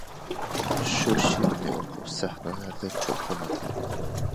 شۇ شېئىرنى ئۇقۇپ سەھنىلەردە چولپان ئاتىلىپ.